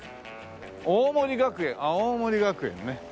「大森学園」あっ大森学園ね。